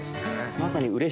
まさに。